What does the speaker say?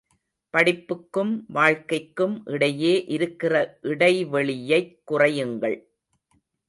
படிப்புக்கும் வாழ்க்கைக்கும் இடையே இருக்கிற இடைவெளியைக் குறையுங்கள்.